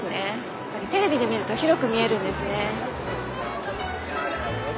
やっぱりテレビで見ると広く見えるんですね。